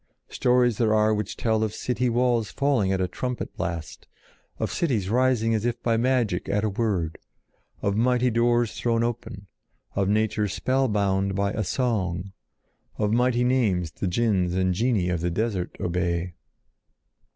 Stories there are which tell of city walls falling at a trumpet blast, of cities rising as if by magic at a word, of mighty doors thrown open, of nature spellbound by a song, of mighty names the jinns and genii of the desert obey.